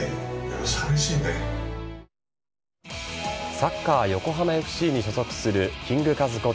サッカー横浜ＦＣに所属するキング・カズこと